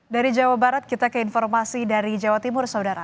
dari jawa barat kita ke informasi dari jawa timur saudara